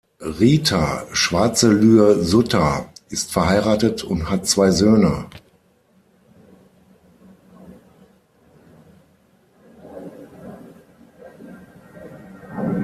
Rita Schwarzelühr-Sutter ist verheiratet und hat zwei Söhne.